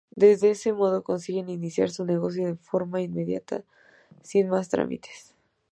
De ese modo consiguen iniciar su negocio de forma inmediata sin más trámites.